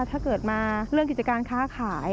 ถ้าเกิดมาเรื่องกิจการค้าขาย